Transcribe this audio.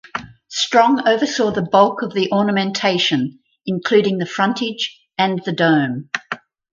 Strong oversaw the bulk of the ornamentation including the frontage and the dome.